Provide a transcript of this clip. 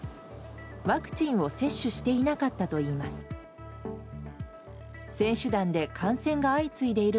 ワクチンを接種していなかったといいます。